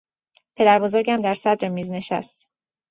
پدربزرگم در صدر میز نشست.